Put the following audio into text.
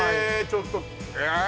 ちょっとえっ！？